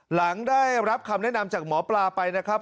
หลังได้รับคำแนะนำจากหมอปลาไปนะครับ